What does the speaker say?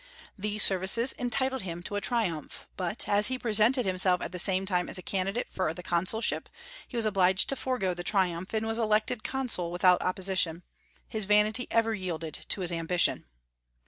These services entitled him to a triumph; but, as he presented himself at the same time as a candidate for the consulship, he was obliged to forego the triumph, and was elected Consul without opposition: his vanity ever yielded to his ambition.